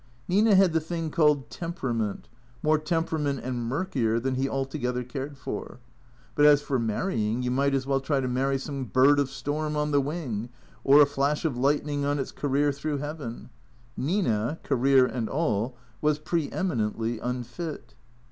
Nina had the thing called temperament, more tempera ment and murkier than he altogether cared for ; but, as for mar rying, you might as well try to marry some bird of storm on the wing, or a flash of lightning on its career through heaven. Nina — career and all — was pre eminently unfit.